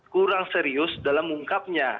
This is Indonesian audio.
kurang serius dalam mengungkapnya